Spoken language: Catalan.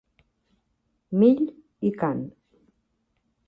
Mill, i Kant.